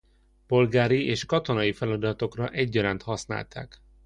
Polgári és katonai feladatokra egyaránt használták.